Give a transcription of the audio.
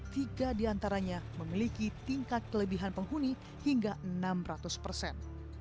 tiga diantaranya memiliki tingkat kelebihan penghuni hingga enam ratus persen